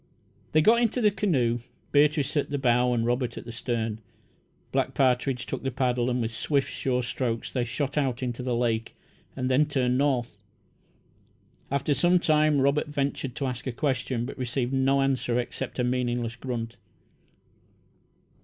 They got into the canoe, Beatrice at the bow and Robert at the stern. Black Partridge took the paddle, and with swift, sure strokes they shot out into the lake and then turned north. After some time Robert ventured to ask a question, but received no answer except a meaningless grunt.